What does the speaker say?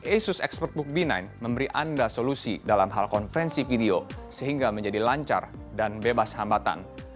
asus expertbook b sembilan memberi anda solusi dalam hal konferensi video sehingga menjadi lancar dan bebas hambatan